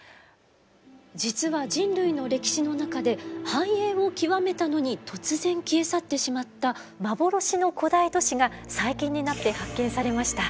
実は人類の歴史の中で繁栄を極めたのに突然消え去ってしまった幻の古代都市が最近になって発見されました。